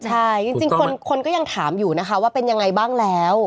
ใช่จริงคนก็ยังถามอยู่นะคะว่าเป็นยังไงบ้างแล้ว